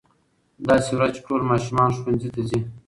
داسې ورځ چې ټول ماشومان ښوونځي ته ځي.